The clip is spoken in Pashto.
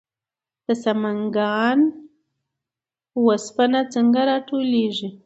د سمنګان هنګ څنګه راټولیږي؟